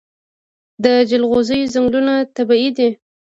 د جلغوزیو ځنګلونه طبیعي دي؟